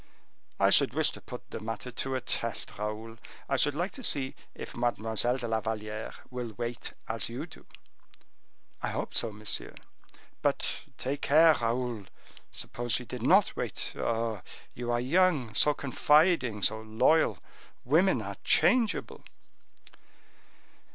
"I should wish to put the matter to a test, Raoul; I should like to see if Mademoiselle de la Valliere will wait as you do." "I hope so, monsieur." "But, take care, Raoul! suppose she did not wait? Ah, you are young, so confiding, so loyal! Women are changeable."